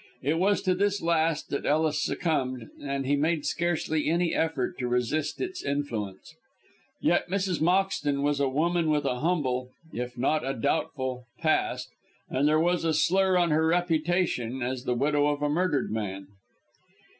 It was to this last that Ellis succumbed, and he made scarcely any effort to resist its influence. Yet Mrs. Moxton was a woman with a humble if not a doubtful past, and there was a slur on her reputation as the widow of a murdered man.